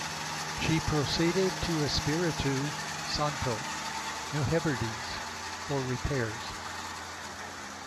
She proceeded to Espiritu Santo, New Hebrides, for repairs.